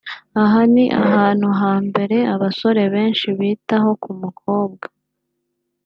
aha ni ahantu ha mbere abasore benshi bitaho ku mukobwa